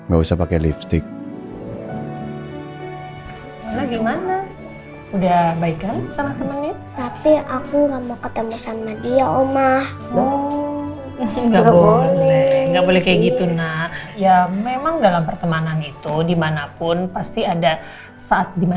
gak boleh bawa masalah ke tempat lain